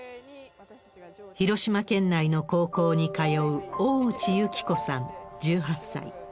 広島県内の高校に通う大内由紀子さん１８歳。